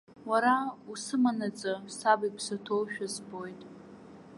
Уара усыманаҵы, саб иԥсы ҭоушәа збоит.